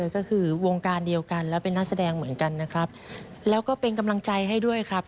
ก็คือวงการเดียวกันแล้วเป็นนักแสดงเหมือนกันนะครับแล้วก็เป็นกำลังใจให้ด้วยครับ